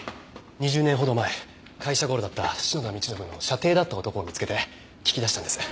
２０年ほど前会社ゴロだった篠田道信の舎弟だった男を見つけて聞き出したんです。